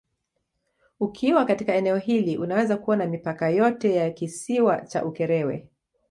Ukiwa katika eneo hili unaweza kuona mipaka yote ya Kisiwa cha Ukerewe